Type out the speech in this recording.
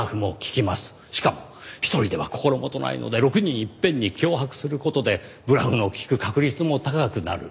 しかも１人では心もとないので６人いっぺんに脅迫する事でブラフの利く確率も高くなる。